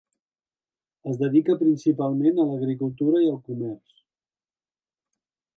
Es dedica principalment a l'agricultura i al comerç.